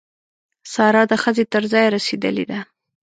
سارا د ښځې تر ځایه رسېدلې ده.